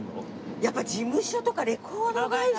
やっぱ事務所とかレコード会社。